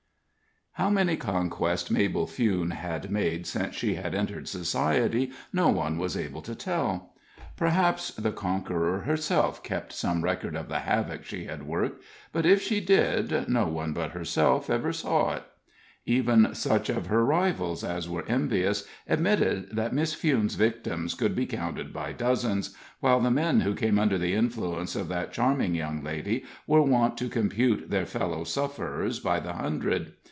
How many conquests Mabel Fewne had made since she had entered society no one was able to tell. Perhaps the conqueror herself kept some record of the havoc she had worked, but if she did, no one but herself ever saw it. Even such of her rivals as were envious admitted that Miss Fewne's victims could be counted by dozens, while the men who came under the influence of that charming young lady were wont to compute their fellow sufferers by the hundred.